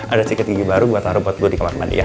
ada sikat gigi baru buat taruh buat gue di kamar mandi ya